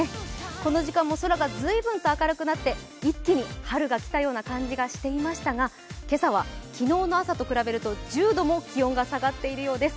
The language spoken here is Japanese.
この時間も空が随分明るくなって、一気に春が来たような感じがしていましたが、１０度も気温が下がっているようです。